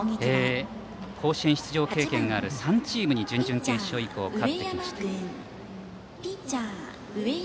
甲子園出場経験のある３チームに準々決勝以降勝ってきました。